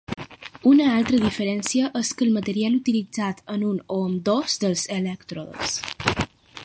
Una altra diferència és que el material utilitzat en un o ambdós dels elèctrodes.